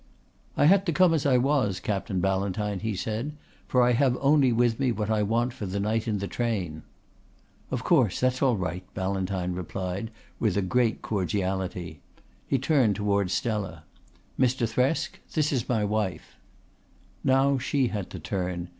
"I had to come as I was, Captain Ballantyne," he said, "for I have only with me what I want for the night in the train." "Of course. That's all right," Ballantyne replied with a great cordiality. He turned towards Stella. "Mr. Thresk, this is my wife." Now she had to turn.